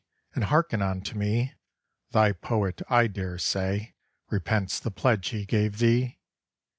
And hearken unto me! Thy poet, I dare say, Repents the pledge he gave thee.